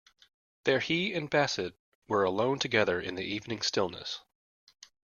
There he and Bassett were, alone together in the evening stillness.